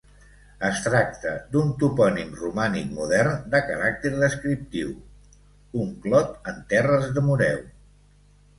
Es tracta d'un topònim romànic modern, de caràcter descriptiu: un clot en terres de Moreu.